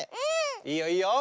いいよいいよ。